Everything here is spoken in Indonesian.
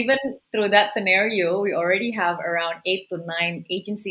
kita sudah memiliki sekitar delapan sembilan agensi